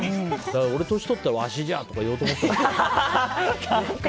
俺、年取ったらわしじゃ！とか言おうと思ってる。